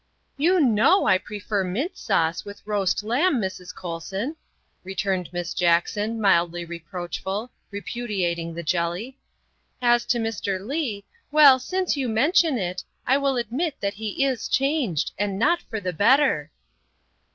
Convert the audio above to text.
'''' You know I prefer mint sauce with roast lamb, Mrs. Colson," returned Miss Jackson, mildly reproachful, repudiating the jelly; " as to Mr. Leigh, well, since you mention it, I will admit that he is changed, and not for the better."